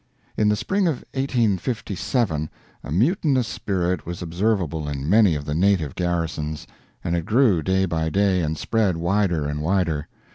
In the spring of 1857, a mutinous spirit was observable in many of the native garrisons, and it grew day by day and spread wider and wider.